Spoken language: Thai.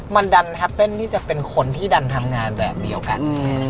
มันดันแฮปเปิ้ลนี่จะเป็นคนที่ดันทำงานแบบเดียวกัน